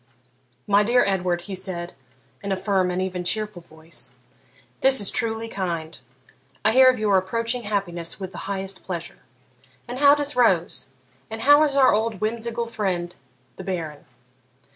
'My dear Edward,' he said, in a firm and even cheerful voice,'this is truly kind. I heard of your approaching happiness with the highest pleasure. And how does Rose? and how is our old whimsical friend the Baron?